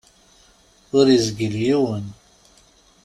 Ur izgil yiwen.